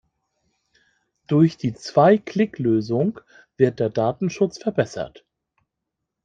Durch die Zwei-Klick-Lösung wird der Datenschutz verbessert.